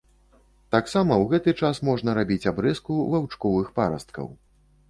Таксама ў гэты час можна рабіць абрэзку ваўчковых парасткаў.